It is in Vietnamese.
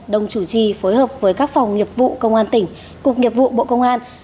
đồng chủ trì phối hợp với các phòng nghiệp vụ công an tỉnh cục nghiệp vụ bộ công an